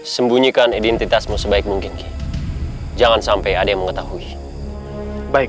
sembunyikan identitasmu sebaik mungkin jangan sampai ada yang mengetahui baik